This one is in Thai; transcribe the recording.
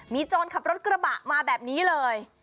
มีโจรขับรถกระบะมาแบบนี้เลย